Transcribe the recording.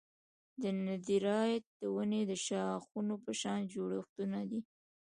دندرایت د ونې د شاخونو په شان جوړښتونه دي.